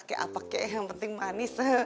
ke apa ke yang penting manis